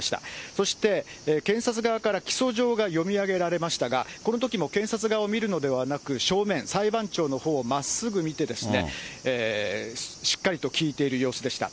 そして検察側から起訴状が読み上げられましたが、このときも検察側を見るのではなく、正面、裁判長のほうをまっすぐ見て、しっかりと聞いている様子でした。